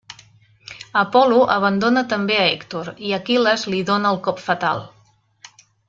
Apol·lo abandona també a Hèctor i Aquil·les li dóna el cop fatal.